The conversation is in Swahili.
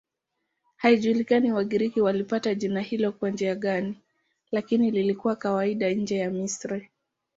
Haijulikani Wagiriki walipata jina hilo kwa njia gani, lakini lilikuwa kawaida nje ya Misri.